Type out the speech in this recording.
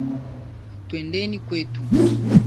Twendeni kwetu